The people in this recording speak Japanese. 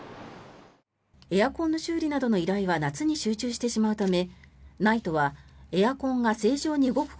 エアコンの修理などの依頼は夏に集中してしまうためＮＩＴＥはエアコンが正常に動く